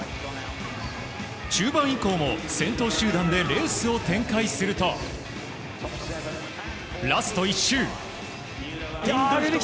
中盤以降も先頭集団でレースを展開するとラスト１周。